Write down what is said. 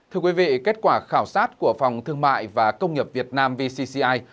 thưa quý vị kết quả khảo sát của phòng thương mại và công nghiệp việt nam vcci